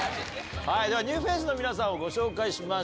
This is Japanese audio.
ではニューフェースの皆さんをご紹介しましょう。